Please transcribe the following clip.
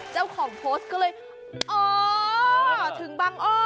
เจ้าของโพสต์ก็เลยอ๋อถึงบังอ้อ